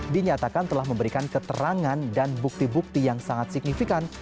dinyatakan telah memberikan keterangan dan bukti bukti yang sangat signifikan